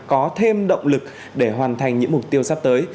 có thêm động lực để hoàn thành những mục tiêu sắp tới